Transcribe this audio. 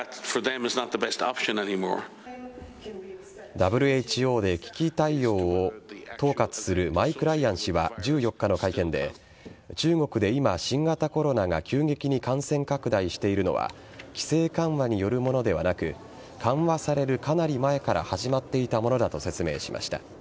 ＷＨＯで危機対応を統括するマイク・ライアン氏は１４日の会見で中国で今、新型コロナが急激に感染拡大しているのは規制緩和によるものではなく緩和されるかなり前から始まっていたものだと説明しました。